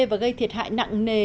và gây thiệt hại nặng nề